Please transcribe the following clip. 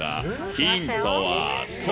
ヒントは袖。